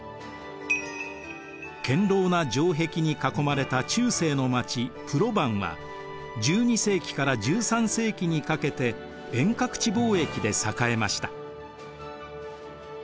堅ろうな城壁に囲まれた中世の街プロヴァンは１２世紀から１３世紀にかけて遠隔地貿易で栄えました。